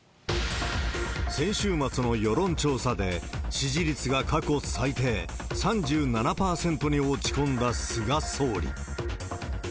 先週末の世論調査で、支持率が過去最低、３７％に落ち込んだ菅総理。